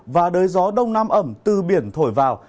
và đới gió đông nam ẩm từ biển thổi vào